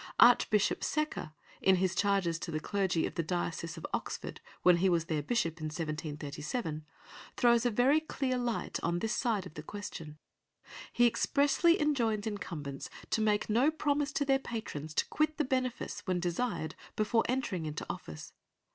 Archbishop Secker, in his charges to the clergy of the diocese of Oxford, when he was their Bishop in 1737, throws a very clear light on this side of the question. He expressly enjoins incumbents to make no promise to their patrons to quit the benefice when desired before entering into office.